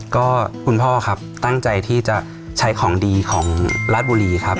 ก็คุณพ่อครับตั้งใจที่จะใช้ของดีของราชบุรีครับ